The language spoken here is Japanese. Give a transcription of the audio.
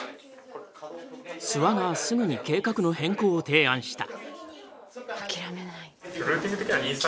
諏訪がすぐに計画の変更を提案した。